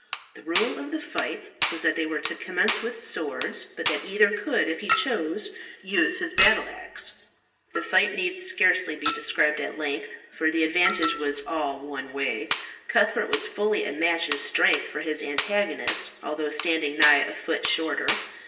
The rule of the fight was that they were to commence with Swords, but that either could, if he chose, use his battle axe. The fight need scarcely be described at length, for the advantage was all one way. Cuthbert was fully a match in strength for his antagonist, although standing nigh a foot shorter.